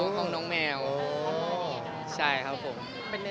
บ้านน้องแมวสรุปแพงกว่าบ้านผม